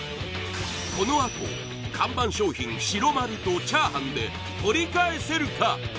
このあと看板商品白丸とチャーハンで取り返せるか？